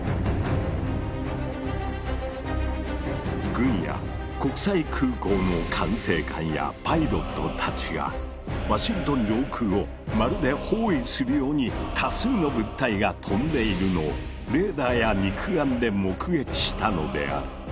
軍や国際空港の管制官やパイロットたちがワシントン上空をまるで包囲するように多数の物体が飛んでいるのをレーダーや肉眼で目撃したのである。